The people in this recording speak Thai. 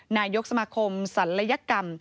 นายกสมาคมศัลยกรรม